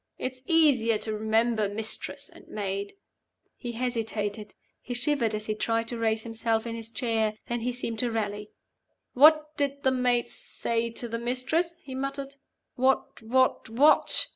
It's easier to remember Mistress and Maid " He hesitated; he shivered as he tried to raise himself in his chair. Then he seemed to rally "What did the Maid say to the Mistress?" he muttered. "What? what? what?"